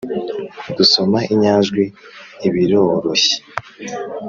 -gusoma inyajwi i biroroshye